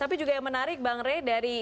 tapi juga yang menarik bang re